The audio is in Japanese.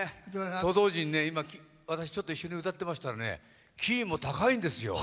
と同時に、今私、ちょっと一緒に歌ってましたらキーも高いんですよ。